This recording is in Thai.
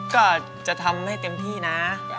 ก็จะทำให้เต็มที่นะ